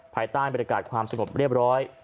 ภายใต้บรรยากาศความสงบเรียบร้อย